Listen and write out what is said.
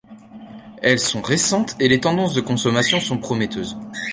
Elles sont récentes et les tendances de consommation sont prometteuses.